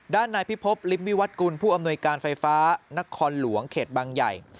ด้านนายพิพบลิฟต์วิวัตกุลผู้อำนวยการไฟฟ้านครหลวงเขตบางใหญ่